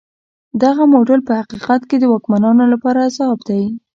دغه موډل په حقیقت کې د واکمنانو لپاره جذاب دی.